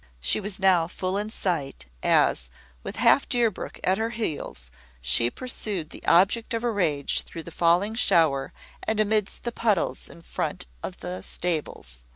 She was now full in sight, as, with half Deerbrook at her heels, she pursued the object of her rage through the falling shower, and amidst the puddles in front of the stables.